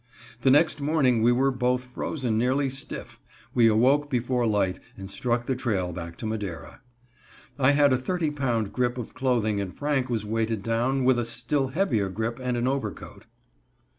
The next morning we were both frozen nearly stiff; we awoke before light and struck the trail back to Madera. I had a thirty pound grip of clothing and Franck was weighted down with a still heavier grip and an overcoat.